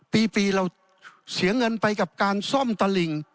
ปีเราเสียเงินไปกับการซ่อมตะหลิ่ง